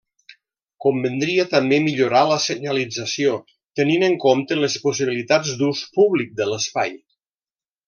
Convindria també millorar la senyalització, tenint en compte les possibilitats d'ús públic de l'espai.